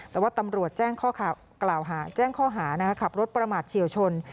แต่ว่าตำรวจแจ้งข้อหาขับรถประมาทเฉียวชน